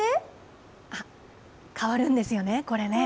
あっ、変わるんですよね、これ。